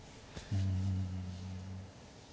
うん。